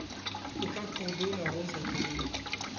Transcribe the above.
Aucun cours d'eau n'arrose la commune.